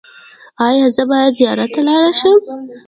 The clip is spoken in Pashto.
ایا زه باید زیارت ته لاړ شم؟